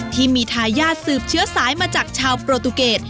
ที่มีทายาทสืบเชื้อสายมาจากชาวโปรตูเกต